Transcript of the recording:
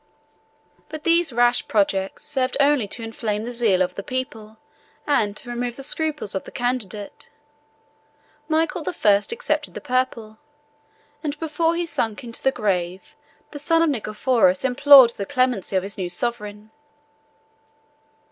But these rash projects served only to inflame the zeal of the people and to remove the scruples of the candidate: Michael the First accepted the purple, and before he sunk into the grave the son of Nicephorus implored the clemency of his new sovereign.